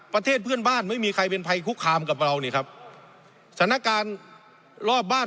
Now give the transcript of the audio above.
ประเทศเพื่อนบ้านไม่มีใครเป็นภัยคุกคามกับเรานี่ครับสถานการณ์รอบบ้าน